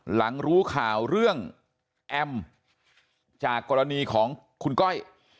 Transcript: หลังรู้ข่าวเรื่องแอมจากกรณีของคุณก้อย